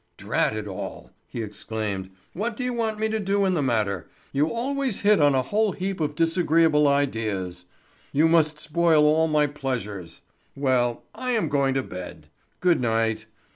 "Drat it all!" he exclaimed. "What do you want me to do in the matter? You always hit on a whole heap of disagreeable ideas. You must spoil all my pleasures. Well, I am going to bed. Good night.